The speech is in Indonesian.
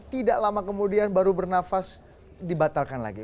tidak lama kemudian baru bernafas dibatalkan lagi